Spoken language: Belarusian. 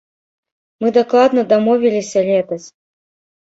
Мы дакладна дамовіліся летась.